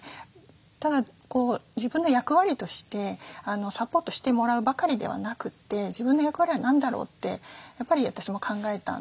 ただ自分の役割としてサポートしてもらうばかりではなくて自分の役割は何だろう？ってやっぱり私も考えたんですね。